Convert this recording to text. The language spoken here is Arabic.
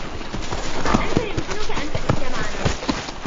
أنتَ يمكنكَ أن تأتي معنا.